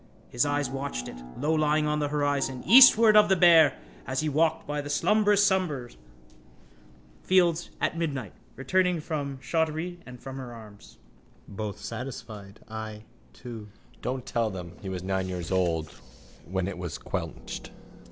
His eyes watched it, lowlying on the horizon, eastward of the bear, as he walked by the slumberous summer fields at midnight returning from Shottery and from her arms. Both satisfied. I too. Don't tell them he was nine years old when it was quenched.